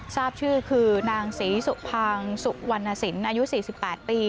ทราบชื่อคือนางศรีสุพังสุวรรณสินอายุ๔๘ปี